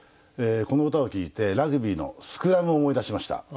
この歌を聞いてラグビーのスクラムを思い出しました。